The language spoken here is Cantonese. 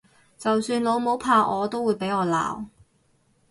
就算老母拍我都會俾我鬧！